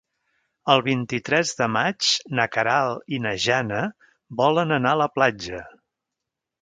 El vint-i-tres de maig na Queralt i na Jana volen anar a la platja.